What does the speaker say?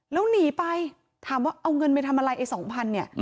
แล้วหนีไปถามว่าเอาเงินไปทำอะไรไอ้๒๐๐เนี่ย